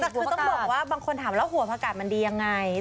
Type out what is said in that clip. แต่คือต้องบอกว่าบางคนถามแล้วหัวผักกาศมันดียังไง